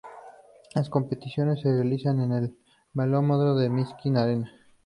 Las competiciones se realizaron en el velódromo de la Minsk Arena.